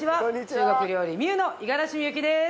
中国料理美虎の五十嵐美幸です。